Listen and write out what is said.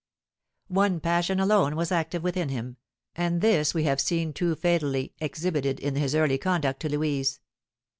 One passion alone was active within him, and this we have seen too fatally exhibited in his early conduct to Louise.